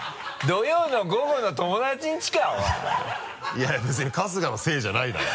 いやいや別に春日のせいじゃないだろ。